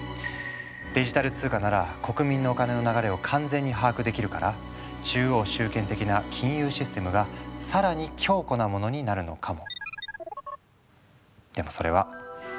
デジタル通貨なら国民のお金の流れを完全に把握できるから中央集権的な金融システムが更に強固なものになるのかも。